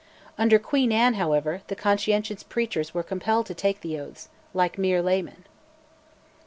Under Queen Anne, however, the conscientious preachers were compelled to take the oaths like mere laymen.